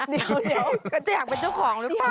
เดี๋ยวก็จะอยากเป็นเจ้าของหรือเปล่า